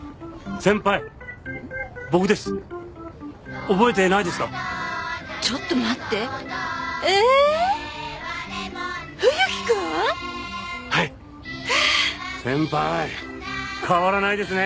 先輩変わらないですね。